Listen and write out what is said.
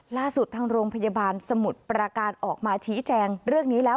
ทางโรงพยาบาลสมุทรประการออกมาชี้แจงเรื่องนี้แล้ว